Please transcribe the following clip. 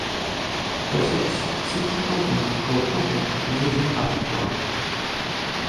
КӀэлъыплъ, сыт шыгъум, фошыгъум, мелым къащыщӀар?